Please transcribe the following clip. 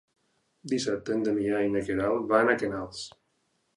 Dissabte en Damià i na Queralt van a Canals.